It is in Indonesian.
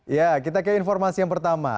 ya kita ke informasi yang pertama